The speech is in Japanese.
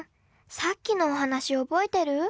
さっきのお話覚えてる？